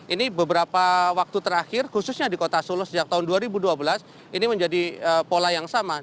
ini beberapa waktu terakhir khususnya di kota solo sejak tahun dua ribu dua belas ini menjadi pola yang sama